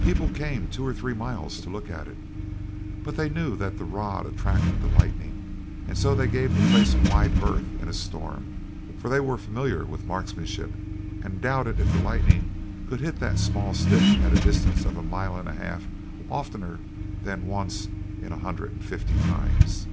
People came two or three miles to look at it. But they knew that the rod attracted the lightning, and so they gave the place a wide berth in a storm, for they were familiar with marksmanship and doubted if the lightning could hit that small stick at a distance of a mile and a half oftener than once in a hundred and fifty times.